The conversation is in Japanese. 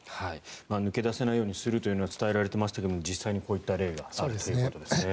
抜け出せないようにするというのは伝えられていましたが実際にこういった例があるということですね。